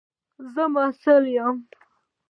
زه یو محصل یم.